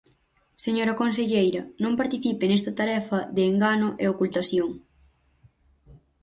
Señora conselleira, non participe nesta tarefa de engano e ocultación.